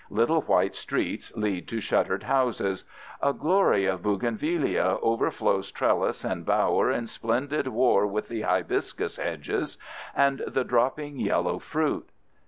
Little white streets lead to shuttered houses. A glory of buginvillæa overflows trellis and bower in splendid war with the hibiscus hedges and the dropping yellow fruit.